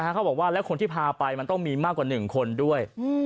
เขาบอกว่าแล้วคนที่พาไปมันต้องมีมากกว่า๑คนด้วย